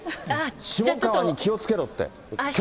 下川に気をつけろって。